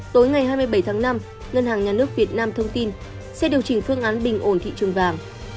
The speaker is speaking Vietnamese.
tối ngày hai mươi bảy tháng năm ngân hàng nhà nước việt nam thông tin sẽ điều chỉnh phương án bình ổn thị trường vàng